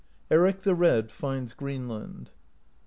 ERIC THE RED FINDS GREENLAND.